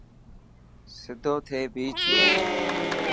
سڌو ٿي ڀيچ.